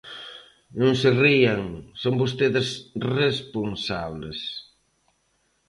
Non se rían, son vostedes responsables.